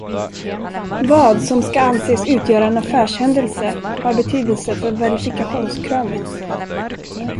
Vad som ska anses utgöra en affärshändelse har betydelse för verifikationskravet.